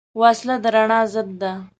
وسله د رڼا ضد ده